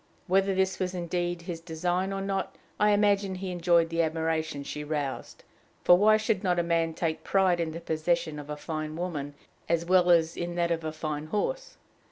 Whether this was indeed his design or not, I imagine he enjoyed the admiration she roused: for why should not a man take pride in the possession of a fine woman as well as in that of a fine horse?